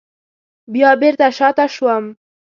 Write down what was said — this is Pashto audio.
بیا بېرته شاته شوم.